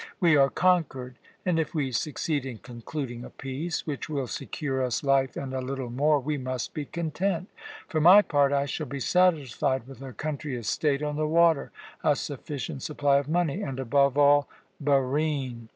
We are conquered, and if we succeed in concluding a peace, which will secure us life and a little more, we must be content. For my part, I shall be satisfied with a country estate on the water, a sufficient supply of money and, above all, Barine.